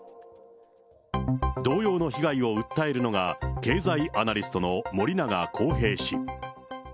同様の被害を訴えるのが、経済アナリストの森永康平氏。